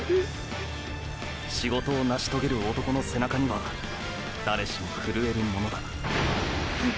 仕事を成しとげる男の背中には誰しもふるえるものだ。！！